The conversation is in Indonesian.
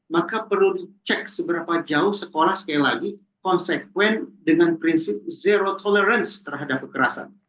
maka perlu dicek seberapa jauh sekolah sekali lagi konsekuen dengan prinsip zero tolerance terhadap kekerasan